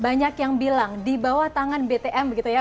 banyak yang bilang di bawah tangan btm begitu ya